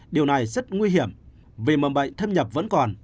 điều này rất nguy hiểm vì mầm bệnh thâm nhập vẫn còn